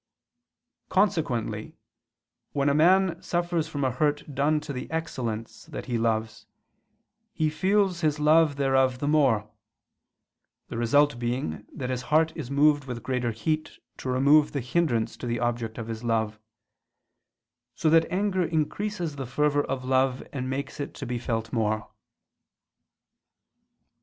Consequently when a man suffers from a hurt done to the excellence that he loves, he feels his love thereof the more: the result being that his heart is moved with greater heat to remove the hindrance to the object of his love; so that anger increases the fervor of love and makes it to be felt more.